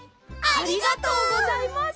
ありがとうございます！